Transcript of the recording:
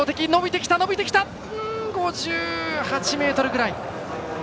５８ｍぐらい。